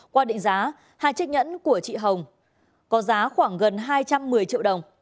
qua định giá hai chiếc nhẫn của chị hồng có giá khoảng gần hai trăm một mươi triệu đồng